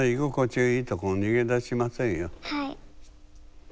はい。